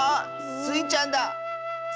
スイちゃん。